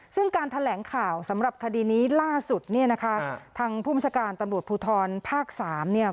ซึ่งการแถลงข่าวสำหรับคดีนี้ล่าสุดเนี่ยนะคะทางผู้บัญชาการตำรวจภูทรภาคสามเนี่ย